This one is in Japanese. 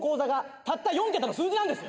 たった４桁の数字なんですよ。